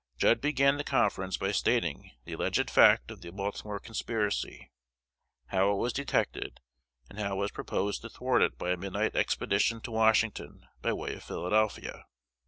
Judd began the conference by stating the alleged fact of the Baltimore conspiracy, how it was detected, and how it was proposed to thwart it by a midnight expedition to Washington by way of Philadelphia.